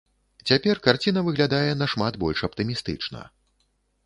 Цяпер карціна выглядае нашмат больш аптымістычна.